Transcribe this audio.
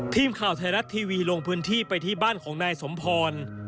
ทีมข่าวไทยรัฐทีวีลงพื้นที่ไปที่บ้านของนายสมพร